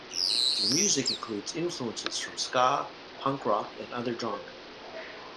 Their music includes influences from ska, punk rock and other genres.